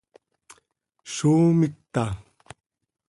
¿Zó mita?